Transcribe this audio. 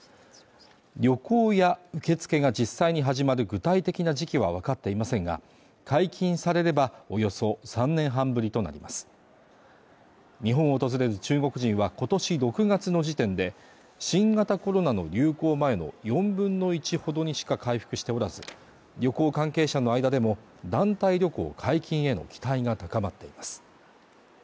旅行や受け付けが実際に始まる具体的な時期は分かっていませんが解禁されればおよそ３年半ぶりとなります日本を訪れる中国人はことし６月の時点で新型コロナの流行前の４分の１ほどにしか回復しておらず旅行関係者の間でも団体旅行解禁への期待が高まっています